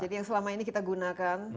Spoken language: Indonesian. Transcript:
jadi yang selama ini kita gunakan